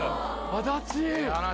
足立！